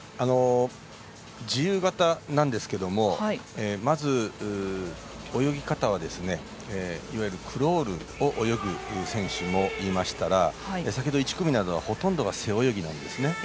自由形なんですがまず、泳ぎ方はいわゆるクロールを泳ぐ選手もいましたら先ほど１組などはほとんどが背泳ぎなんですね。